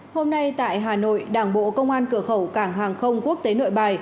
hôm nay tại hà nội đảng bộ công an cửa khẩu cảng hàng không quốc tế nội bài